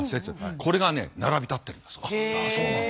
これがね並び立ってるんだそうです。